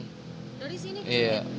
dari sini ke senen